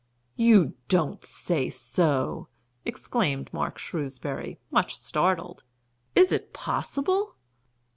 "You don't say so!" exclaimed Mark Shrewsbury, much startled. "Is it possible?"